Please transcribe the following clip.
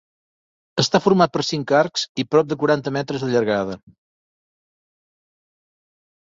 Està format per cinc arcs i prop de quaranta metres de llargada.